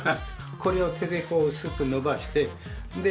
これを手で薄く伸ばしてで